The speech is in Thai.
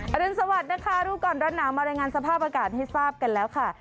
รุนสวัสดิ์นะคะรู้ก่อนร้อนหนาวมารายงานสภาพอากาศให้ทราบกันแล้วค่ะ